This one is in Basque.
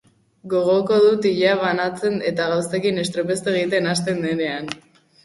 Gogoko dut ilea banatzen eta gauzekin estropezu egiten hasten denean.